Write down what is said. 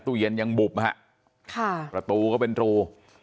ตู้เย็นยังบุบฮะค่ะประตูก็เป็นรู